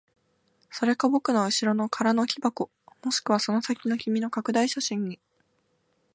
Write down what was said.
それか僕の後ろの空の木箱、もしくはその先の君の拡大写真に。